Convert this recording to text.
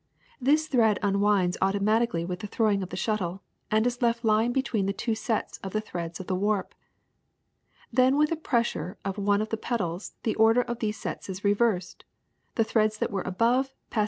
This thread unwinds automatically with the throwing of the shuttle, and is left lying be tween the two sets of threads of the warp. Then with a pressure on one of __ P £_ the pedals the order of <1 ^^^~ these sets is reversed, the ^ Shuttle thrparl^ that were above <* ^ody of shuttle; &.